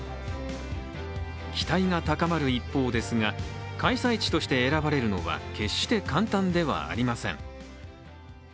期待が高まる一方ですが開催地として選ばれるのは決して簡単ではありません。